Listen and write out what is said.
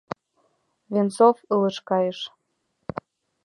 Венцов ылыж кайыш.